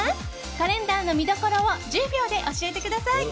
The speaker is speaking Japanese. カレンダーの見どころを１０秒で教えてください。